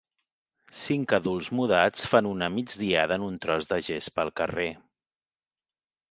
Cinc adults mudats fan una migdiada en un tros de gespa al carrer.